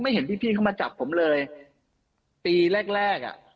เห็นพี่พี่เข้ามาจับผมเลยปีแรกแรกอ่ะ